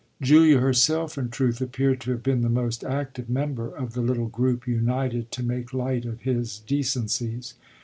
Julia herself in truth appeared to have been the most active member of the little group united to make light of his decencies.